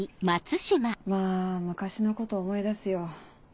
まぁ昔のことを思い出すよ。